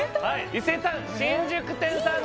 伊勢丹新宿店さん